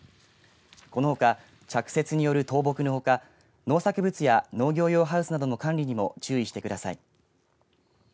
このほか、着雪による倒木のほか農作物や農業用ハウスなどの管理にも注意してください。